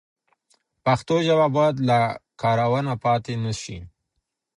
پښتو ژبه باید له کاروانه پاتې نه سي.